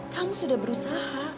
kamu sudah berusaha